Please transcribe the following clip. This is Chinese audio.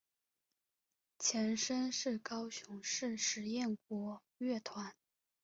前身是高雄市实验国乐团。